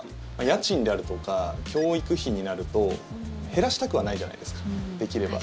家賃であるとか教育費になると減らしたくはないじゃないですかできれば。